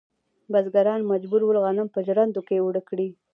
بزګران مجبور ول غنم په ژرندو کې اوړه کړي.